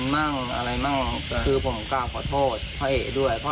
มั่งอะไรมั่งคือผมกราบขอโทษพ่อเอกด้วยพ่อ